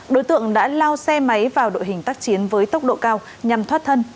đối tượng đã lao xe máy vào đội hình tác chiến với tốc độ cao nhằm thoát thân